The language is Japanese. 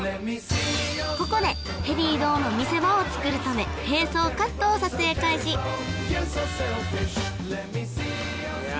ここでヘリ移動の見せ場をつくるため並走カットを撮影開始いや